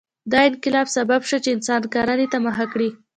دا انقلاب سبب شو چې انسان کرنې ته مخه کړي.